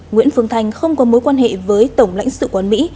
nguyễn phương thành không có mối quan hệ với tổng lãnh sự quán mỹ